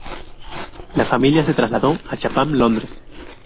La familia se trasladó a Clapham, Londres.